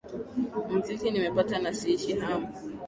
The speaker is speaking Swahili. muziki nimepata na siishi hamu